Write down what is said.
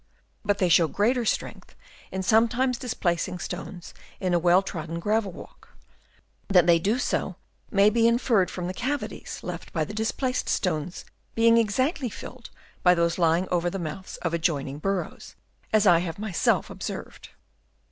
But they show greater strength in some times displacing stones in a well trodden gravel walk ; that they do so, may be inferred from the cavities left by the displaced stones being exactly filled by those lying over the mouths of adjoining burrows, as I have my self observed.